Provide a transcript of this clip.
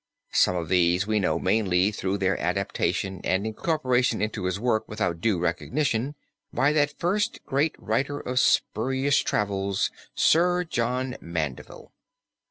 Some of these we know mainly through their adaptation and incorporation into his work without due recognition, by that first great writer of spurious travels Sir John Mandeville.